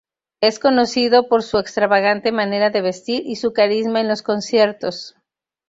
Es conocido por su extravagante manera de vestir y su carisma en los conciertos.